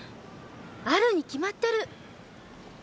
あるに決まってる。